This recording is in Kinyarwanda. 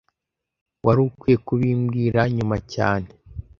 Wari ukwiye kubimbwira nyuma cyane